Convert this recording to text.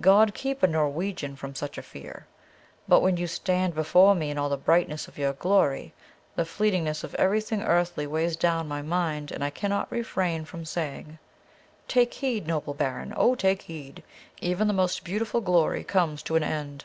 God keep a Norwegian from such a fear. But when you stand before me in all the brightness of your glory, the fleetingness of everything earthly weighs down my mind, and I cannot refrain from saying, 'Take heed, noble baron! oh, take heed! Even the most beautiful glory comes to an end.